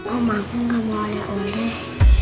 om aku gak mau oleh oleh